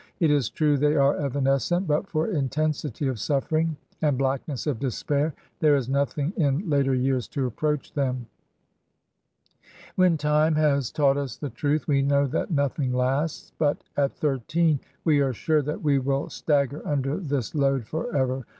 It is true they are evanescent, but for intensity of suffering and blackness of despair there is nothing in later years to approach them. When time has taught us the truth, we know that nothing lasts ; but at thirteen we are sure that we will stagger under this load forever.